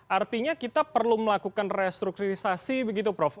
artinya kita perlu melakukan restrukturisasi begitu prof